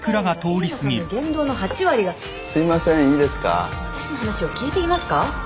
私の話を聞いていますか。